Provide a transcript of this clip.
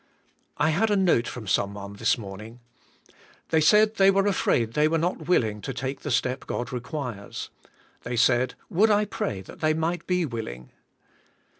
I had a note from someone this morning. They said they were afraid they were not willing to take the step God requires. They said, would I pray that they might be willing.